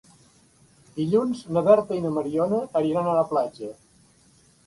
Dilluns na Berta i na Mariona aniran a la platja.